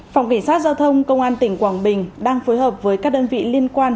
phòng cảnh sát giao thông công an tỉnh quảng bình đang phối hợp với các đơn vị liên quan